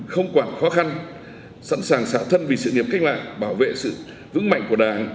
không quản khó khăn sẵn sàng xả thân vì sự nghiệp cách mạng bảo vệ sự vững mạnh của đảng